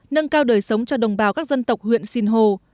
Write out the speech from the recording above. nâng cao đời sống cho đồng bào các dân tộc huyện sinh hồ